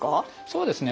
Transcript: そうですね。